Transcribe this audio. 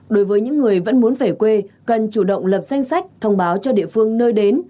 đối với những người vẫn muốn về quê cần chủ động lập danh sách thông báo cho địa phương nơi đến